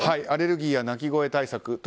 アレルギーや鳴き声対策